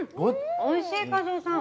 おいしい一魚さん。